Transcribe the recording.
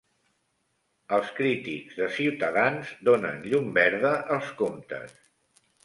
Els crítics de Ciutadans donen llum verda als comptes